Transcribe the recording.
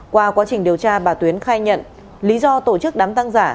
qua quá trình điều tra bà tuyến khai nhận lý do tổ chức đám tăng giả